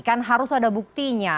kan harus ada buktinya